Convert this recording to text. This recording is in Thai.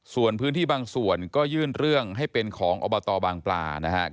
ส่วนพื้นที่บางส่วนก็ยื่นเรื่องให้เป็นของอบตบางปลานะครับ